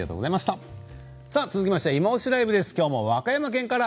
続きましては「いまオシ！ＬＩＶＥ」です。今日も和歌山県から。